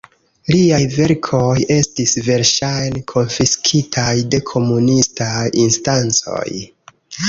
Liaj verkoj estis verŝajne konfiskitaj de komunistaj instancoj.